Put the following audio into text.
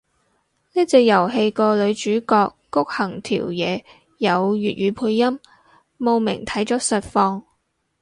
呢隻遊戲個女主角谷恆條嘢有粵語配音，慕名睇咗實況